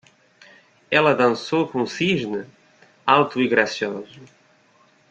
Ela dançou como um cisne? alto e gracioso.